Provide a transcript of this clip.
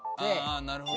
あなるほど。